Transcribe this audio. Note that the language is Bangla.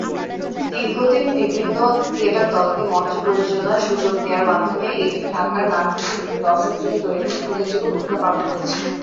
দীর্ঘদিন বিভিন্ন থিয়েটার দলকে মঞ্চ প্রযোজনার সুযোগ দেয়ার মাধ্যমে এটি ঢাকার নাট্য শিল্পের দর্শক-শ্রেণী তৈরিতে উল্লেখযোগ্য ভূমিকা পালন করেছে।